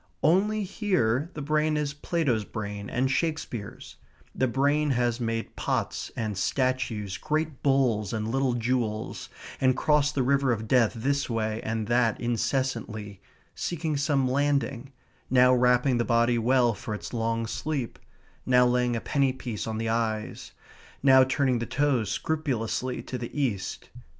Only here the brain is Plato's brain and Shakespeare's; the brain has made pots and statues, great bulls and little jewels, and crossed the river of death this way and that incessantly, seeking some landing, now wrapping the body well for its long sleep; now laying a penny piece on the eyes; now turning the toes scrupulously to the East.